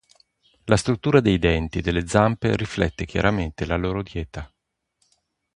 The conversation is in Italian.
La struttura dei denti e delle zampe riflette chiaramente la loro dieta.